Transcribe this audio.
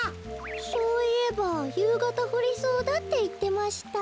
そういえばゆうがたふりそうだっていってました。